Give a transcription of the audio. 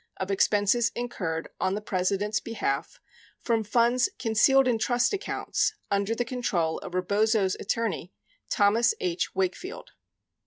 29 of expenses incurred on the President's behalf from funds concealed in trust accounts under the control of Rebozo's attorney, Thomas H. Wakefield.